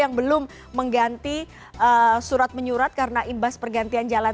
yang belum mengganti surat menyurat karena imbas pergantian jalan